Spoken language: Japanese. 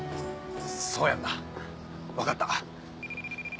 そうやんな分かった。